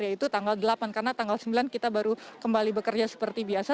yaitu tanggal delapan karena tanggal sembilan kita baru kembali bekerja seperti biasa